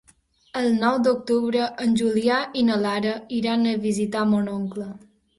El nou d'octubre en Julià i na Lara iran a visitar mon oncle.